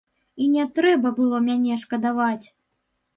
І не трэба было мяне шкадаваць!